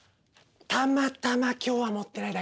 たまたま今日は持ってないだけだよ。